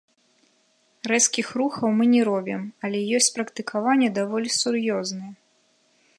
Рэзкіх рухаў мы не робім, але ёсць практыкаванні даволі сур'ёзныя.